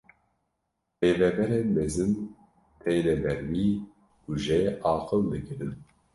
Rêveberên mezin têne ber wî û jê aqil digirin.